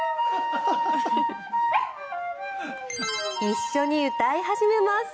一緒に歌い始めます。